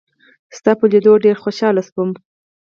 ستا په لیدو ډېر خوشاله شوم.